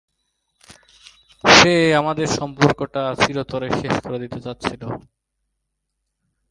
সে আমাদের সম্পর্কটা চিরতরে শেষ করে দিতে চাচ্ছিল।